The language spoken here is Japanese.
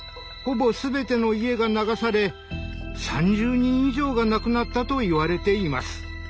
ほぼ全ての家が流され３０人以上が亡くなったといわれています。